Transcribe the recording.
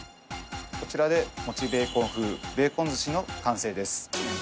こちらで餅ベーコン風ベーコン寿司の完成です